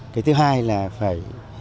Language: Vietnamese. cái thứ hai là phải